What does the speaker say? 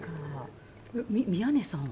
宮根さんは？